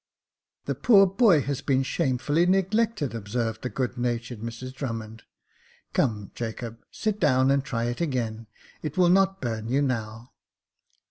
The poor boy has been shamefully neglected," ob served the good natured Mrs Drummond. " Come, Jacob, sit down and try it again ; it will not burn you now."